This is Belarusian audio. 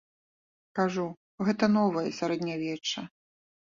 Кажу, гэта новае сярэднявечча.